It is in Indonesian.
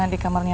di kamar ini ya